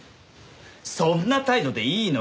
そんな態度でいいのかな？